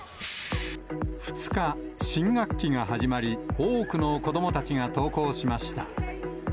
２日、新学期が始まり、多くの子どもたちが登校しました。